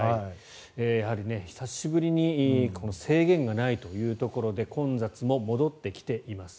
やはり久しぶりに制限がないというところで混雑も戻ってきています。